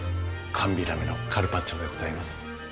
寒ビラメのカルパッチョでございます。